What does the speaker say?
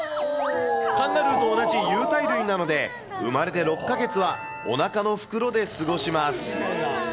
カンガルーと同じ有袋類なので、生まれて６か月はおなかの袋で過ごします。